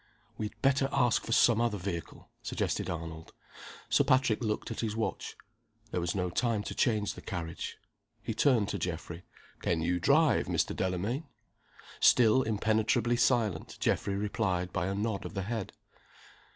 "We had better ask for some other vehicle," suggested Arnold. Sir Patrick looked at his watch. There was no time to change the carriage. He turned to Geoffrey. "Can you drive, Mr. Delamayn?" Still impenetrably silent, Geoffrey replied by a nod of the head.